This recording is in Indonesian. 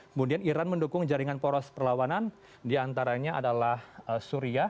kemudian iran mendukung jaringan poros perlawanan diantaranya adalah syria